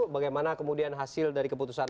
bagaimana kemudian hasil dari keputusan